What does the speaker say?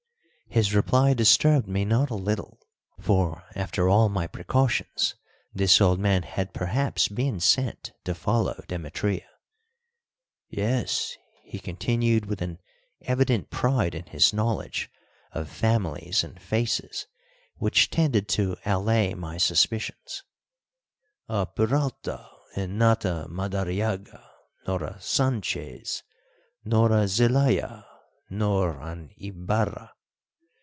His reply disturbed me not a little, for, after all my precautions, this old man had perhaps been sent to follow Demetria. "Yes," he continued, with an evident pride in his knowledge of families and faces which tended to allay my suspicions; "a Peralta and not a Madariaga, nor a Sanchez, nor a Zelaya, nor an Ibarra.